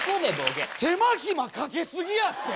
いや手間暇かけすぎやって。